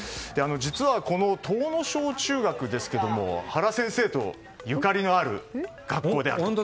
実はこの東庄中学ですが原先生とゆかりのある学校であると。